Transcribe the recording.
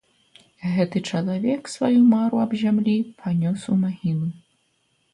Гэты чалавек сваю мару аб зямлі панёс у магілу.